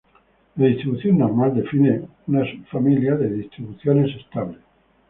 La distribución normal define una subfamilia de distribuciones estables.